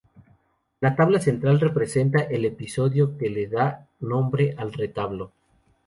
La tabla central representa el episodio que da nombre al retablo.